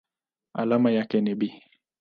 Alama yake ni Be.